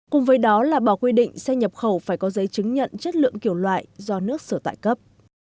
cùng với đó là bỏ quy định xe nhập khẩu phải có giấy chứng nhận chất lượng kiểu loại do nước sở tại cấp